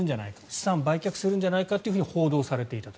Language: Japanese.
資産を売却するんじゃないかと報道されていたと。